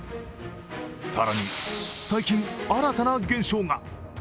更に最近、新たな現象が。